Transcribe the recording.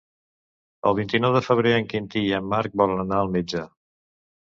El vint-i-nou de febrer en Quintí i en Marc volen anar al metge.